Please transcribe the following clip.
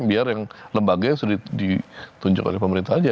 biar yang lembaganya sudah ditunjuk oleh pemerintah aja